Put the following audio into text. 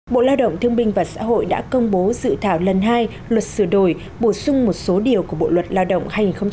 bộ lao động thương binh và xã hội đã công bố dự thảo lần hai luật sửa đổi bổ sung một số điều của bộ luật lao động hai nghìn một mươi năm